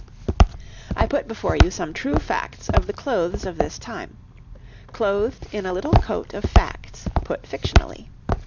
I put before you some true facts of the clothes of this time, clothed in a little coat of facts put fictionally.